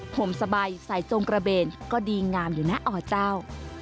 ผมสบายใส่จงกระเบนก็ดีงามอยู่นะอเจ้า